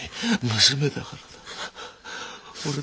娘だからだ。